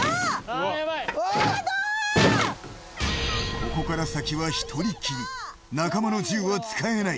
ここから先は１人きり、仲間の銃は使えない。